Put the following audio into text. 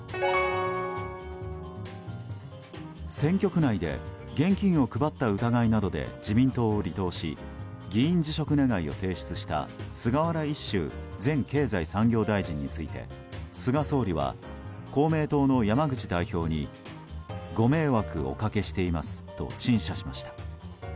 選挙区内で現金を配った疑いなどで自民党を離党し議員辞職願を提出した菅原一秀前経済産業大臣について菅総理は、公明党の山口代表にご迷惑おかけしていますと陳謝しました。